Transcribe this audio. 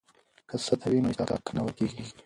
که سطح وي نو اصطکاک نه ورکیږي.